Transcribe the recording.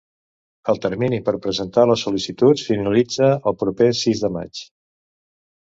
El termini per presentar les sol·licituds finalitza el proper sis de maig.